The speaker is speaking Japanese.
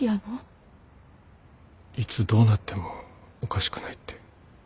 ・いつどうなってもおかしくないって。